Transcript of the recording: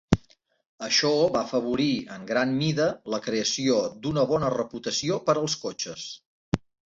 Això va afavorir en gran mida la creació d"una bona reputació per als cotxes.